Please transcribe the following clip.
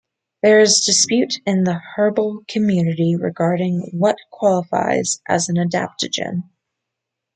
There is dispute in the herbal community regarding what qualifies as an adaptogen.